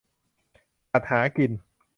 สัตว์หากิน